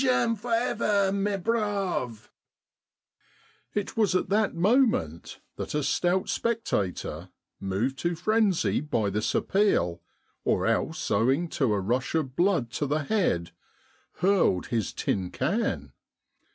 " Belgium for ever, mes braves I " It was at that moment that a stout spec tator, moved to frenzy by this appeal, or else owing to a rush of blood to the head, hurled his tin can.